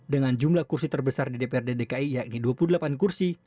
dengan jumlah kursi terbesar di dprd dki yakni dua puluh delapan kursi